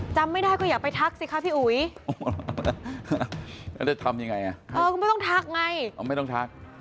จำไม่ได้ก็อยากไปทักสิคะพี่อุ๋ยแล้วจะทำยังไงอ่ะเออก็ไม่ต้องทักไงไม่ต้องทัก